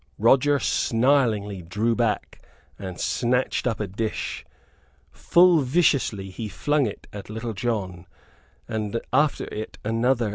Roger snarlingly drew back and snatched up a dish. Full viciously he flung it at Little John, and after it another and another.